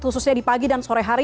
khususnya di pagi dan sore hari